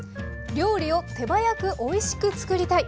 料理を手早くおいしく作りたい。